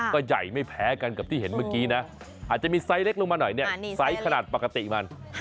ก็ใหญ่ไม่แพ้กันกับที่เห็นเมื่อกี้นะอาจจะมีไซส์เล็กลงมาหน่อยเนี่ยไซส์ขนาดปกติมัน